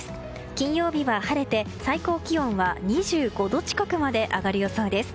金曜日は晴れて最高気温は２５度近くまで上がる予想です。